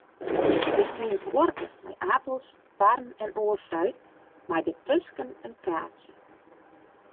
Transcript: Der stie in kuorke mei apels, parren en oar fruit, mei dêrtusken in kaartsje.